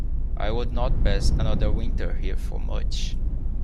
I would not pass another winter here for much.